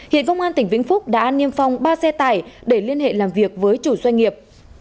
hiện công an tỉnh vĩnh phúc đã niêm phong ba xe tải để liên hệ làm việc với chủ doanh nghiệp